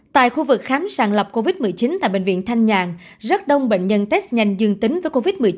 tại khu vực khám sàng lọc covid một mươi chín tại bệnh viện thanh nhàn rất đông bệnh nhân test nhanh dương tính với covid một mươi chín